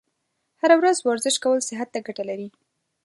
هره ورځ ورزش کول صحت ته ګټه لري.